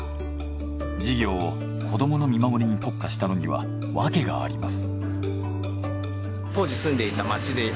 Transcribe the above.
事業を子どもの見守りに特化したのにはわけがあります。